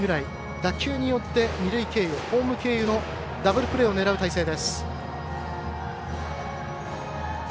打球によって二塁経由、ホーム経由のダブルプレーを狙う態勢です。